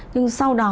nhưng sau đó